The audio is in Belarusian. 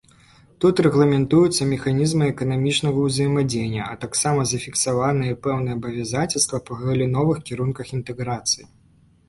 Тут рэгламентуюцца механізмы эканамічнага ўзаемадзеяння, а таксама зафіксаваныя пэўныя абавязацельствы па галіновых кірунках інтэграцыі.